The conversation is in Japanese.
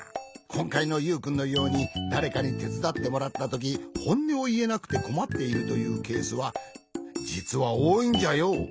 こんかいのユウくんのようにだれかにてつだってもらったときほんねをいえなくてこまっているというケースはじつはおおいんじゃよ。